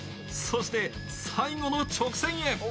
そして最後の直線へ。